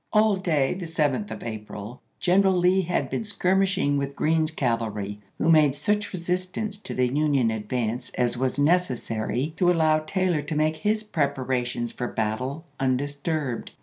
All day, the 7th of April, General Lee had i864. been skirmishing with Green's cavalry, who made such resistance to the Union advance as was neces sary to allow Taylor to make his preparations for battle undisturbed.